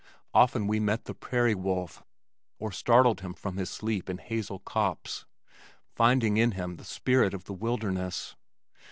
Often we met the prairie wolf or startled him from his sleep in hazel copse, finding in him the spirit of the wilderness.